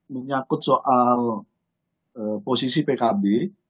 menyakut soal posisi pkb